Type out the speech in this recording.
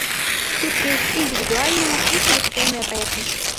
Тут ёсць індывідуальныя і калектыўныя праекты.